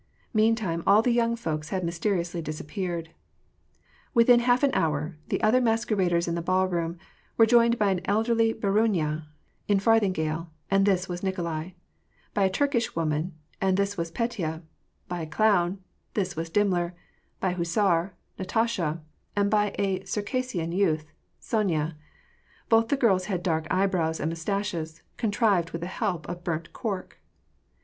Meantime, all the young folks had mysteriously disappeared. Within half an hour, the other masqueraders in the ball room were joined by an elderly baruinya, in farthingale, and this was Kikolai ; by a Turkish woman, and this was Petya ; by a clown — this was Dimmler ; by a hussar — Natasha ; and by a Circassian youth — Sonya ; both the girls had dark eye brows and mustaches, contrived with the help of burnt cork.